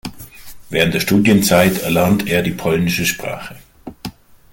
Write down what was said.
Während der Studienzeit erlernt er die polnische Sprache.